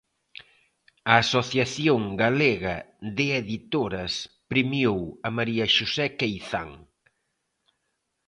A Asociación Galega de Editoras premiou a María Xosé Queizán.